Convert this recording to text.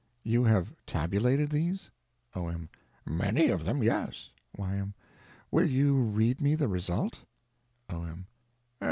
You have tabulated these? O.M. Many of them—yes. Y.M. Will you read me the result? O.M.